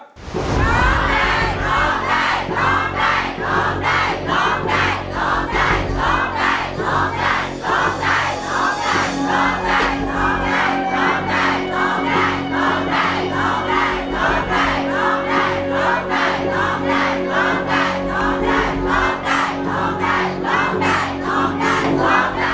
โน่งใจโน่งใจโน่งใจโน่งใจโน่งใจ